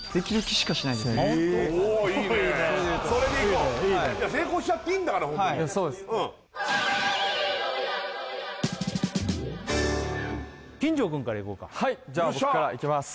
おいいねそれでいこういいね成功しちゃっていいんだからホントにそうです金城くんからいこうかはいじゃあ僕からいきます